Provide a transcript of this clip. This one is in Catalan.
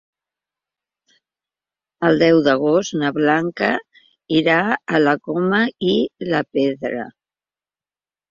El deu d'agost na Blanca irà a la Coma i la Pedra.